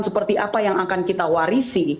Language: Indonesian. seperti apa yang akan kita warisi